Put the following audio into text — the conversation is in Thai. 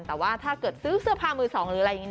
แต่ว่าถ้าเกิดซื้อเสื้อผ้ามือสองหรืออะไรอย่างนี้